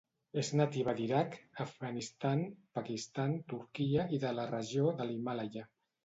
És nativa d'Iraq, Afganistan, Pakistan, Turquia i de la regió de l'Himàlaia.